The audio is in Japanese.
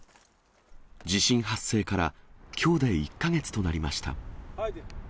地震発生からきょうで１か月となりました。